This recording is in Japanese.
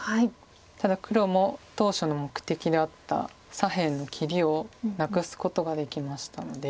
ただ黒も当初の目的であった左辺の切りをなくすことができましたので。